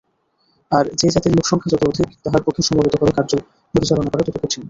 আর যে-জাতির লোকসংখ্যা যত অধিক, তাহার পক্ষে সমবেতভাবে কার্য পরিচালনা করা তত কঠিন।